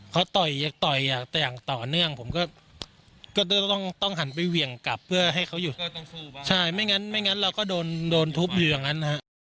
เขาต่อยอยากต่อยแต่อย่างต่อเนื่องผมก็ต้องหันไปเหวี่ยงกลับเพื่อให้เขาหยุดใช่ไม่งั้นไม่งั้นเราก็โดนโดนทุบอยู่อย่างนั้นฮะ